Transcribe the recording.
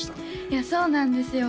いやそうなんですよ